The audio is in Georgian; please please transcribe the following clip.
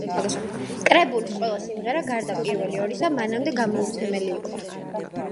კრებულის ყველა სიმღერა, გარდა პირველი ორისა, მანამდე გამოუცემელი იყო.